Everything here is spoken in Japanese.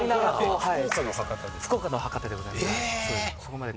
福岡の博多でございます。